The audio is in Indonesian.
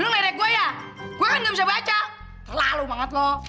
lu merek gue ya gue kan gak bisa baca terlalu banget lo